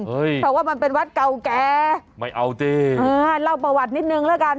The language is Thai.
เพราะว่ามันเป็นวัดเก่าแก่ไม่เอาจริงเออเล่าประวัตินิดนึงแล้วกัน